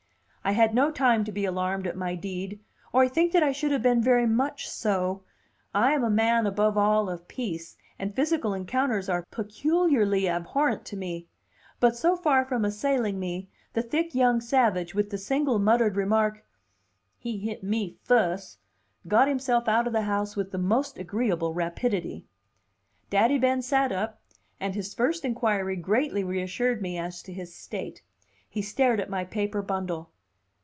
I had no time to be alarmed at my deed, or I think that I should have been very much so; I am a man above all of peace, and physical encounters are peculiarly abhorrent to me; but, so far from assailing me, the thick, young savage, with the single muttered remark, "He hit me fuss," got himself out of the house with the most agreeable rapidity. Daddy Ben sat up, and his first inquiry greatly reassured me as to his state. He stared at my paper bundle.